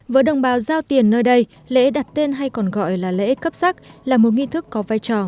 với đồng bào giao tiền nơi đây lễ đặt tên hay còn gọi là lễ cấp sắc là một nghi thức có vai trò